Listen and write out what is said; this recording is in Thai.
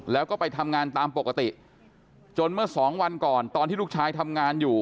แล้วก็ไปทำงานตามปกติจนเมื่อสองวันก่อนตอนที่ลูกชายทำงานอยู่